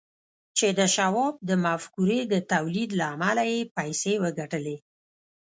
چې د شواب د مفکورې د توليد له امله يې پيسې وګټلې.